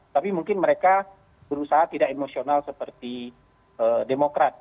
tapi mungkin mereka berusaha tidak emosional seperti demokrat